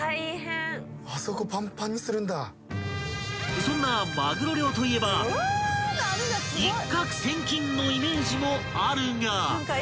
［そんなまぐろ漁といえば一獲千金のイメージもあるが］